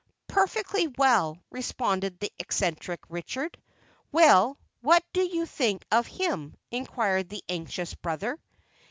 "Perfectly well," responded the eccentric Richard. "Well, what do you think of him?" inquired the anxious brother.